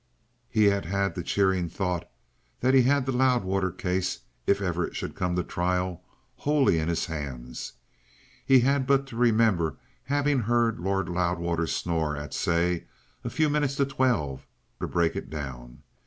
He had had the cheering thought that he had the Loudwater case, if ever it should come to a trial, wholly in his hands. He had but to remember having heard Lord Loudwater snore at, say, a few minutes to twelve, to break it down.